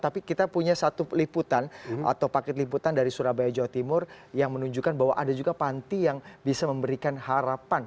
tapi kita punya satu liputan atau paket liputan dari surabaya jawa timur yang menunjukkan bahwa ada juga panti yang bisa memberikan harapan